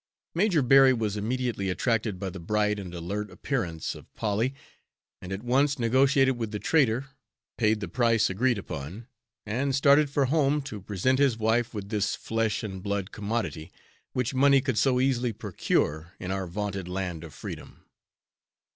Major Berry was immediately attracted by the bright and alert appearance of Polly, and at once negotiated with the trader, paid the price agreed upon, and started for home to present his wife with this flesh and blood commodity, which money could so easily procure in our vaunted land of freedom.